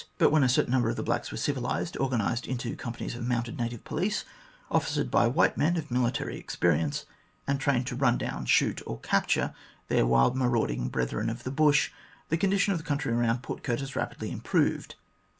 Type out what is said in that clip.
But when a certain number of the 78 THE GLADSTONE COLONY blacks were civilised, organised into companies of mounted native police, officered by white men of military experience,, and trained to run down, shoot, or capture their wild marauding brethren of the bush, the condition of the country around Port Curtis rapidly improved.